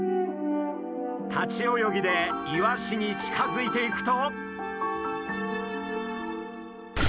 立ち泳ぎでイワシに近づいていくと。